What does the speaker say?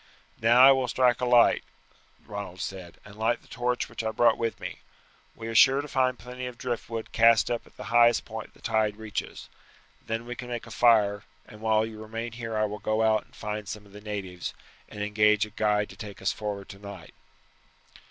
"Now I will strike a light," Ronald said, "and light the torch which I brought with me. We are sure to find plenty of driftwood cast up at the highest point the tide reaches. Then we can make a fire, and while you remain here I will go out and find some of the natives, and engage a guide to take us forward tonight."